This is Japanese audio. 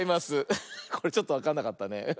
これちょっとわかんなかったね。